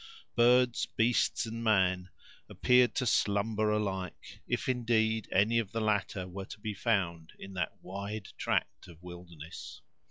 Birds, beasts, and man, appeared to slumber alike, if, indeed, any of the latter were to be found in that wide tract of wilderness.